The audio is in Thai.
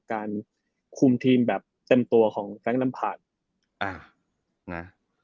การคุมทีมแบบเต็มตัวของแก๊งนำผ่านอ่านะ